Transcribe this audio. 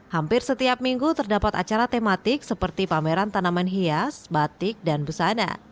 hampir setiap minggu terdapat acara tematik seperti pameran tanaman hias batik dan busana